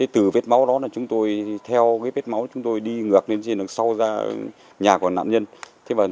từ vết máu đó chúng tôi theo vết máu đi ngược lên trên đường sau nhà của nạn nhân